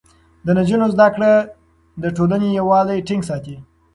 د نجونو زده کړه د ټولنې يووالی ټينګ ساتي.